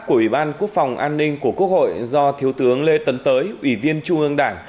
của ủy ban quốc phòng an ninh của quốc hội do thiếu tướng lê tấn tới ủy viên trung ương đảng